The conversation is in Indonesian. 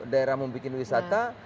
daerah membuat wisata